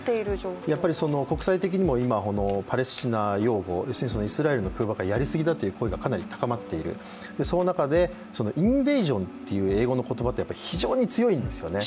やっぱり国際的にも今、パレスチナ擁護、イスラエルの空爆はやり過ぎだという言葉が飛び交っている、その中で、インベージョンっていう英語の言葉って非常に強いんですよね。